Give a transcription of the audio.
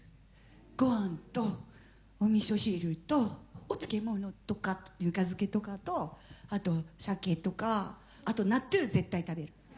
ごはんとおみそ汁とお漬物とかぬか漬けとかとあとしゃけとかあとなっとぅー絶対食べる。